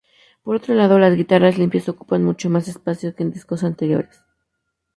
Por otro lado, las guitarras limpias ocupan mucho más espacio que en discos anteriores.